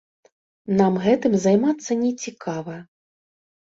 Нам гэтым займацца не цікава.